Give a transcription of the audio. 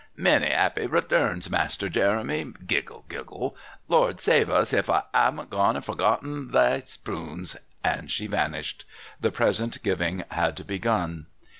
"Many 'appy returns, Master Jeremy." Giggle... giggle... "Lord save us if I 'aven't gone and forgotten they spunes," and she vanished. The present giving had begun.